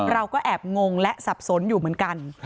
เราก็แอบงงและสับสนอยู่เหมือนกัน